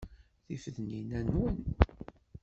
Tifednin-a nwen?